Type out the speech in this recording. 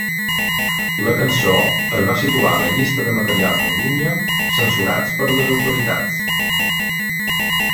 La cançó es va situar a la llista de materials en línia censurats per les autoritats.